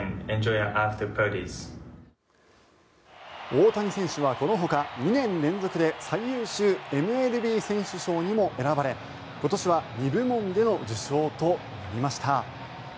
大谷選手はこのほか２年連続で最優秀ＭＬＢ選手賞にも選ばれ今年は２部門での受賞となりました。